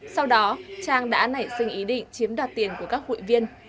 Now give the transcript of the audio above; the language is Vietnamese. sau đó trang đã nảy sinh ý định chiếm đoạt tiền của các hội viên